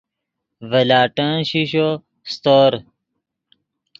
ڤے لاٹین شیشو سیتور